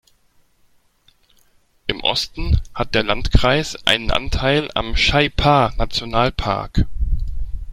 Im Osten hat der Landkreis einen Anteil am Shei-Pa-Nationalpark.